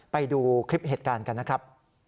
ไปดูคลิปเหตุการณ์กันนะครับ